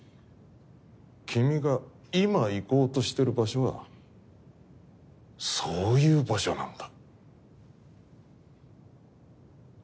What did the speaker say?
君が今行こうとしてる場所はそういう場所なんだ。